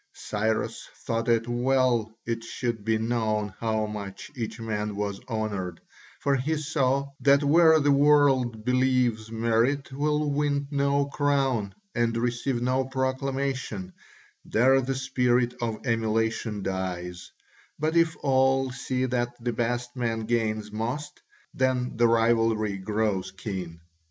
Cyrus thought it well it should be known how much each man was honoured, for he saw that where the world believes merit will win no crown and receive no proclamation, there the spirit of emulation dies, but if all see that the best man gains most, then the rivalry grows keen.